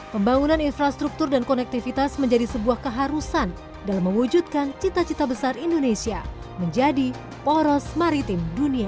pembangunan infrastruktur dan konektivitas menjadi sebuah keharusan dalam mewujudkan cita cita besar indonesia menjadi poros maritim dunia